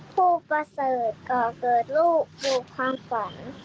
ผู้ประเสริฐก่อเกิดลูกสู่ความฝัน